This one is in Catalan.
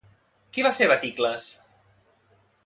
Qui va ser Baticles?